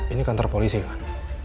ini kantor polisi kan